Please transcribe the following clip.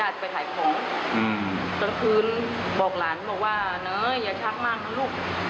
กลางคืนบอกหลานบอกว่าเนยอย่าชักมากนะลูก